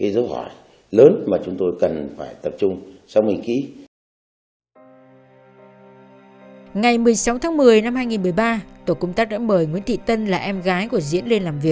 từ lời khai của tân